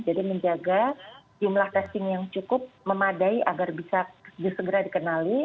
jadi menjaga jumlah testing yang cukup memadai agar bisa segera dikenali